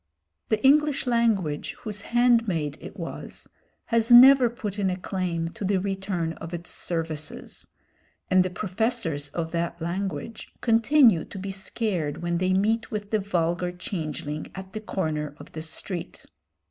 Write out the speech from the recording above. The English language, whose handmaid it was, has never put in a claim to the return of its services, and the professors of that language continue to be scared when they meet with the vulgar changeling at the corner of the street.